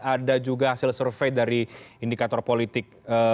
ada juga hasil survei dari indikator politik